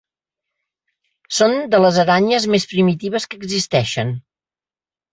Són de les aranyes més primitives que existeixen.